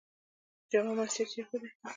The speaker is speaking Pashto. جامع مسجد چیرته دی؟